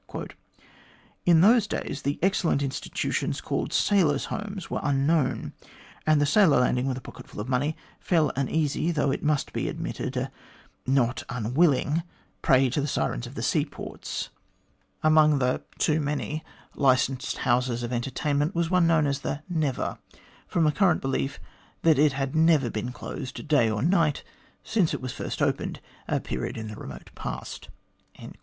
"In those days, the excellent institutions called Sailors' Homes were unknown, and the sailor landing with a pocket full of money fell an easy, though it .must be admitted, a not un willing prey to the sirens of the sea ports. Among the too many MAJOR DE WINTON: OLDEST LIVING GLADSTONIAN 177 licensed houses of entertainment, was one known as the c Never,' from a current belief that it had never been closed, day or night, since it was first opened, at a period in the remote past."